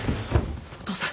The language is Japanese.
お義父さん